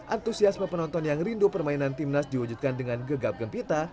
antusiasme penonton yang rindu permainan timnas diwujudkan dengan gegap gempita